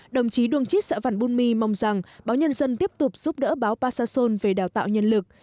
đồng chí đương chít sở văn bùn my mong rằng báo nhân dân tiếp tục giúp đỡ báo pa sa son về đào tạo nhân lực